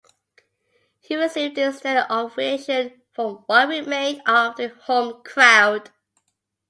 He received a standing ovation from what remained of the home crowd.